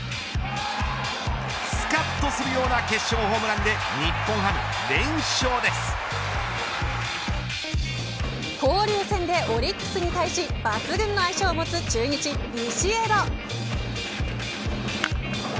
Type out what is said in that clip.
スカッとするような決勝ホームランで交流戦でオリックスに対し抜群の相性を持つ中日ビシエド。